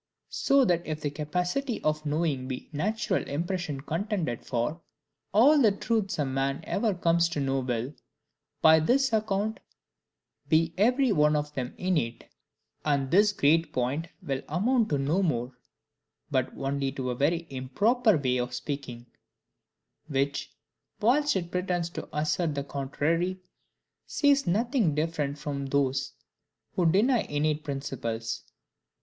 So that if the capacity of knowing be the natural impression contended for, all the truths a man ever comes to know will, by this account, be every one of them innate; and this great point will amount to no more, but only to a very improper way of speaking; which, whilst it pretends to assert the contrary, says nothing different from those who deny innate principles.